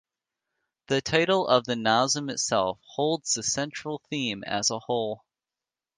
The title of the Nazm itself holds the central theme as a whole.